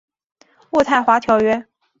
渥太华条约。